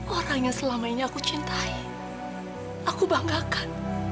orang yang selama ini aku cintai aku banggakan